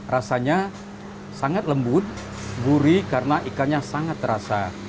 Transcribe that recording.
rasanya sangat lembut gurih karena ikannya sangat terasa